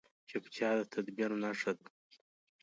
چپتیا، د تدبیر نښه ده.